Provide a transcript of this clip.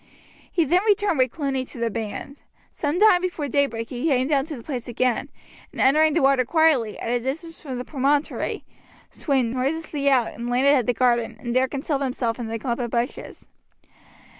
He then returned with Cluny to the band. Some time before daybreak he came down to the place again, and, entering the water quietly, at a distance from the promontory, swam noiselessly out, and landed at the garden, and there concealed himself in a clump of bushes.